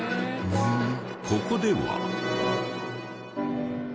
ここでは。